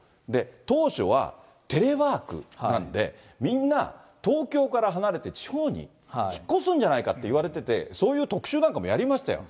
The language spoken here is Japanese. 当初はテレワークなんで、みんな、東京から離れて地方に引っ越すんじゃないかといわれてて、そういう特集なんかもやりましたよ。